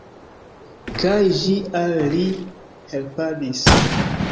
Kaj ĝi al li helpadis.